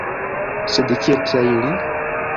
Sed kiel trairi?